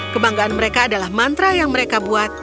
kebanggaan mereka adalah mantra yang mereka buat